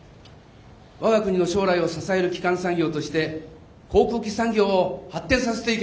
我が国の将来を支える基幹産業として航空機産業を発展させていきましょう。